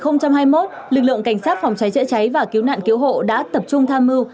năm hai nghìn hai mươi một lực lượng cảnh sát phòng cháy chữa cháy và cứu nạn cứu hộ đã tập trung tham mưu